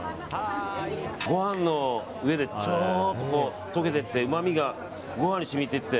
ご飯の上で溶けていってうまみがご飯に染みてって。